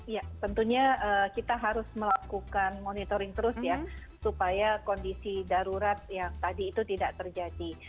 ya tentunya kita harus melakukan monitoring terus ya supaya kondisi darurat yang tadi itu tidak terjadi